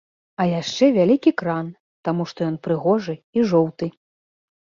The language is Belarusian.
А яшчэ вялікі кран, таму што ён прыгожы і жоўты.